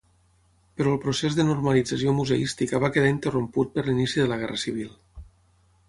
Però el procés de normalització museística va quedar interromput per l'inici de la guerra civil.